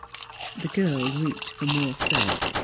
The girl reached for more thread.